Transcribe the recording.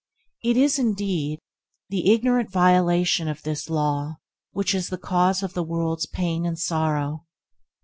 It is, indeed, the ignorant violation of this law which is the cause of the world's pain and sorrow.